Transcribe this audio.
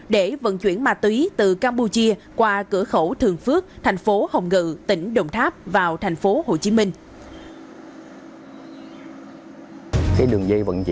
để vận chuyển ma túy từ campuchia qua cửa khẩu thường phước thành phố hồng ngự tỉnh đồng tháp vào thành phố hồ chí minh